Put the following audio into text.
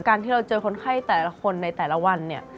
การที่เราเจอคนไข้แต่ละคนในแต่ละวันเนี่ย